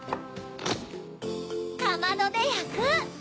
かまどでやく！